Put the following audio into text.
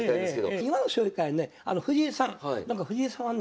今の将棋界はねあの藤井さん藤井さんはね